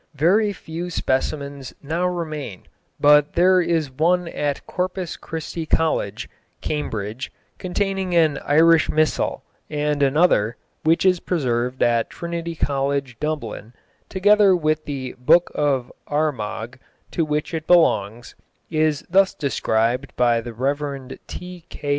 Very few specimens now remain, but there is one at Corpus Christi College, Cambridge, containing an Irish missal, and another, which is preserved at Trinity College, Dublin, together with the Book of Armagh, to which it belongs, is thus described by the Rev. T. K.